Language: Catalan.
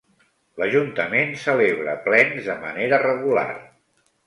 L'Ajuntament celebra plens de manera regular.